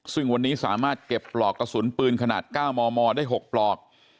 ซึ่งวันนี้สามารถเก็บปลอกกระสุนปืนขนาด๙มมได้๖ปลอก